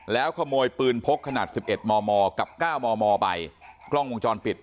แล้วขโมยปืนพกขนาด๑๑มมกับ๙มมไปกล้องวงจรปิด